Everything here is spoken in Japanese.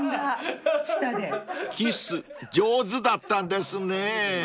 ［キス上手だったんですね］